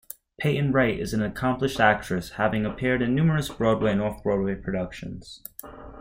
Payton-Wright is an accomplished actress having appeared in numerous Broadway and Off-Broadway productions.